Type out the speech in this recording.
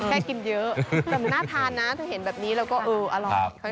แค่กินเยอะแต่มันน่าทานนะถ้าเห็นแบบนี้แล้วก็เอออร่อย